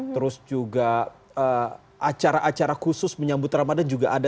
terus juga acara acara khusus menyambut ramadan juga ada